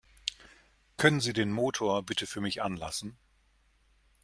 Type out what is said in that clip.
Können Sie den Motor bitte für mich anlassen?